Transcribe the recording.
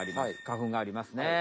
花粉がありますね。